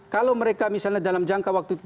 kalau mereka misalnya dalam jangka waktu